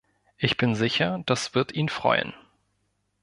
Ich bin sicher, das wird ihn freuen.